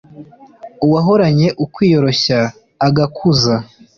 uwahoranye ukwiyoroshya, agakuza